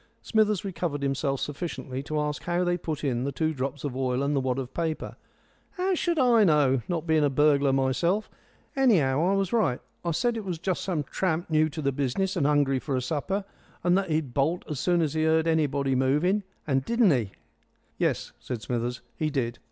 Smithers recovered himself sufficiently to ask how they put in the two drops of oil and the wad of paper. "How should I know, not being a burglar myself? Anyhow, I was right. I said it was just some tramp new to the business, and hungry for a supper, and that he'd bolt as soon as he heard anybody moving. And didn't he?" "Yes," said Smithers, "he did.